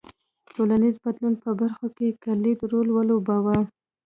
ټولنیز بدلون په برخو کې کلیدي رول ولوباوه.